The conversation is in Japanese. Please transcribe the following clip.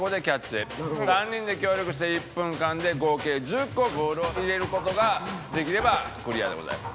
３人で協力して１分間で合計１０個ボールを入れる事ができればクリアでございます。